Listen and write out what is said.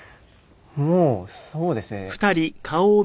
もうそうですね。